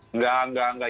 enggak enggak enggak